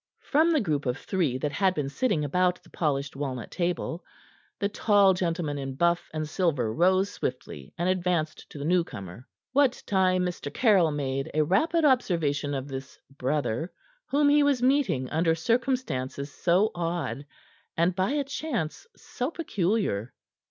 From the group of three that had been sitting about the polished walnut table, the tall gentleman in buff and silver rose swiftly, and advanced to the newcomer; what time Mr. Caryll made a rapid observation of this brother whom he was meeting under circumstances so odd and by a chance so peculiar.